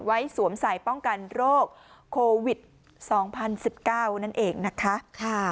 สวมใส่ป้องกันโรคโควิด๒๐๑๙นั่นเองนะคะ